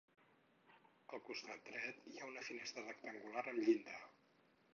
Al costat dret hi ha una finestra rectangular amb llinda.